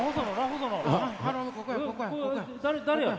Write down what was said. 誰や？